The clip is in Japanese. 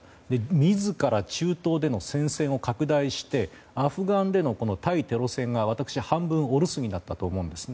自ら中東での戦線を拡大してアフガンでの対テロ戦が私、半分お留守になったと思うんですね。